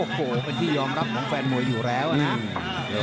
โอ้โหเป็นที่ยอมรับของแฟนมวยอยู่แล้วนะ